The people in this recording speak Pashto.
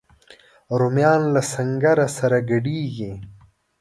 رومیان له سنګره سره ګډیږي